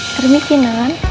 terima kasih nuan